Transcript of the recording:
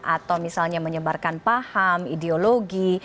atau misalnya menyebarkan paham ideologi